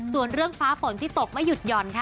ส่วนเรื่องฟ้าฝนที่ตกไม่หยุดหย่อนค่ะ